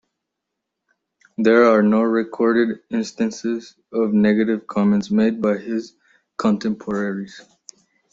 There are no recorded instances of negative comments made by his contemporaries.